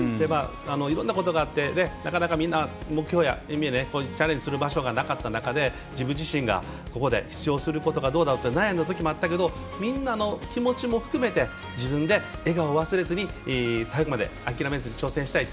いろいろなことがあってなかなか、みんな目標や夢にチャレンジする場所がなかったことで自分自身がここに出場することがどうだろうって悩んだときもあったけどみんなの気持ちも含めて自分で笑顔を忘れずに最後まで諦めずに挑戦したいって。